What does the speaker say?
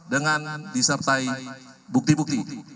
dengan disertai bukti bukti